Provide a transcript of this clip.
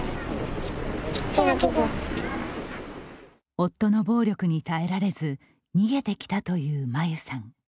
夫の暴力に耐えられず逃げてきたという、まゆさん。